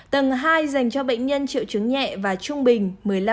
tầng hai dành cho bệnh nhân triệu chứng nhẹ và trung bình một mươi năm